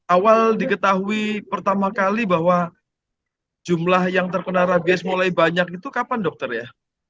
awal diketahui pertama kali bahwa jumlah yang terkena rabies mulai banyak itu kapan dokter ya